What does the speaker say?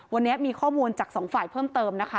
วันนี้มีข้อมูลจากสองฝ่ายเพิ่มเติมนะคะ